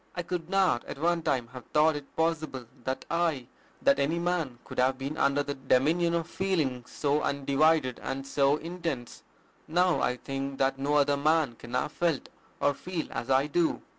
I could not at one time have thought it possible that I, that any man, could have been under the dominion of feelings so undivided and so intense: now I think that no other man can have felt or feel as I do."